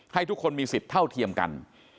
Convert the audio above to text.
ให้ทุกคนมีสิทธิ์เท่าเทียมกัน